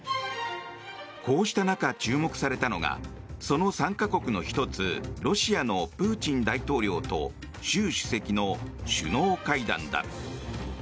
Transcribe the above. こうした中、注目されたのがその参加国の１つロシアのプーチン大統領と習主席の首脳会談だ。